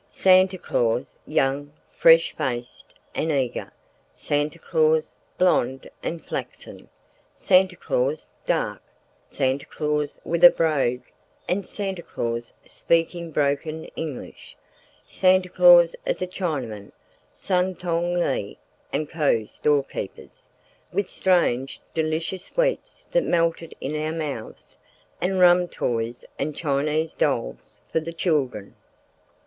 Santa Claus, young, fresh faced and eager; Santa Claus, blonde and flaxen; Santa Claus, dark; Santa Claus with a brogue and Santa Claus speaking broken English; Santa Claus as a Chinaman (Sun Tong Lee & Co. storekeepers), with strange, delicious sweets that melted in our mouths, and rum toys and Chinese dolls for the children.